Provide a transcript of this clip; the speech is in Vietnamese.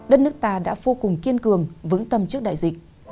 đất nước ta đã vô cùng kiên cường vững tâm trước đại dịch